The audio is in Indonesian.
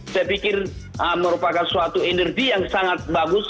saya pikir merupakan suatu energi yang sangat bagus